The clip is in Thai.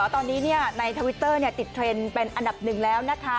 ตอนนี้ในทวิตเตอร์ติดเทรนด์เป็นอันดับหนึ่งแล้วนะคะ